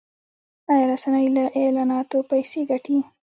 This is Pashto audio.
آیا رسنۍ له اعلاناتو پیسې ګټي؟